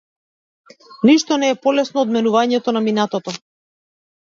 Ништо не е полесно од менувањето на минатото.